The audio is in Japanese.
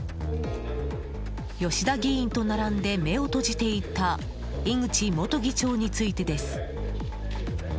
吉田議員と並んで目を閉じていた井口元議長についてです。